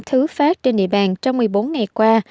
thứ phát trên địa bàn trong một mươi bốn ngày qua